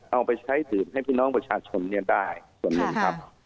เอาไปใช้ดื่มให้พี่น้องประชาชนได้ส่วนหนึ่งครับ